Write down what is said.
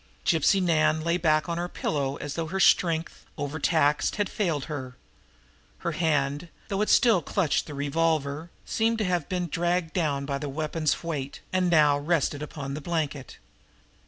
Gypsy Nan lay back on her pillow as though her strength, over taxed, had failed her; her hand, though it still clutched the revolver, seemed to have been dragged down by the weapon's weight, and now rested upon the blanket.